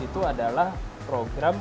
itu adalah program